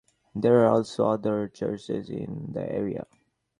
There are also other churches in the area.